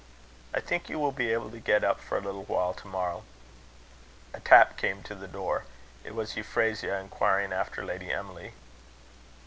"I think you will be able to get up for a little while tomorrow." A tap came to the door. It was Euphrasia, inquiring after Lady Emily.